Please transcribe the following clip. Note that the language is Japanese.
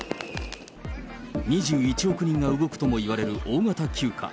２１億人が動くともいわれる大型休暇。